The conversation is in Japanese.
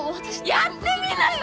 やってみなよ！